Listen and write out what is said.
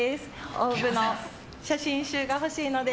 ＯＷＶの写真集が欲しいので。